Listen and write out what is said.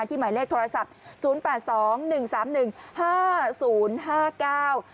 หมายเลขโทรศัพท์ศูนย์แปดสองหนึ่งสามหนึ่งห้าศูนย์ห้าเก้า